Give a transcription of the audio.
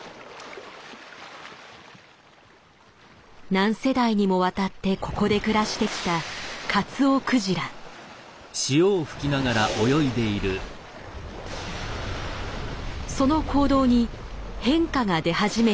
何世代にもわたってここで暮らしてきたその行動に変化が出始めている。